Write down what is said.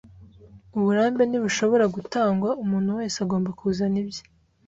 Uburambe ntibushobora gutangwa - umuntu wese agomba kuzana ibye.